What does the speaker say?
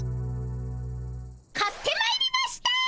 買ってまいりました！